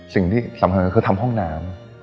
สิ่งที่สำคัญคือทำห้องน้ำ